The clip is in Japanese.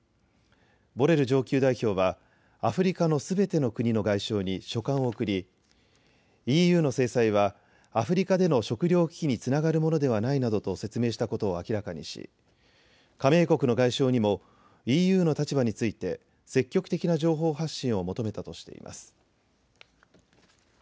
ボレル上級代表はアフリカのすべての国の外相に書簡を送りＥＵの制裁はアフリカでの食料危機につながるものではないなどと説明したことを明らかにし加盟国の外相にもＥＵの立場について積極的な情報発信を求めたとしています。